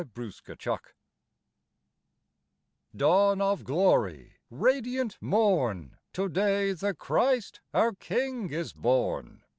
CHRISTMAS Dawn of glory! radiant morn! To day the Christ, our King, is born.